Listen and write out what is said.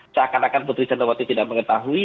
seakan akan putri candrawati tidak mengetahui